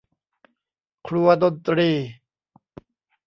ครัวดนตรี